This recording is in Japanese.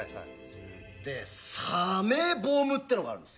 でサメボムってのがあるんですよ。